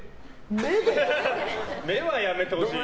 目はやめてほしいな。